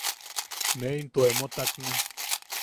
–ne into emo takne.